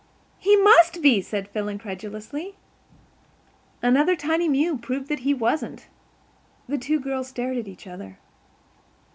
"He must be," said Phil incredulously. Another tiny mew proved that he wasn't. The two girls stared at each other.